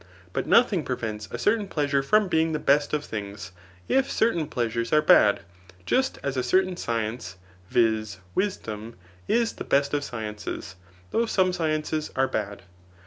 But nothing prevents a certain pleasure from being the best of things, if certain pleasures are bad, just as a certain science, [viz. wisdom,] is the best of sciences, though some sciences are bad.